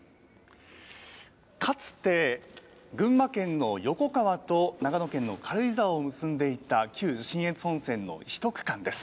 かつて群馬県の横川と長野県の軽井沢を結んでいた、旧信越本線の１区間です。